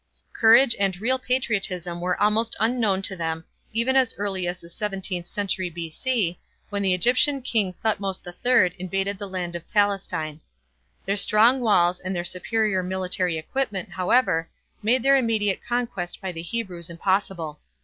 Courage and real patriotism were almost unknown to them even as early as the seventeenth century B.C., when the Egyptian king Thutmose III invaded the land of Palestine. Their strong walls and their superior military equipment, however, made their immediate conquest by the Hebrews impossible.